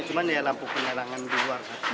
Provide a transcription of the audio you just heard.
cuman ya lampu penyelidikan di luar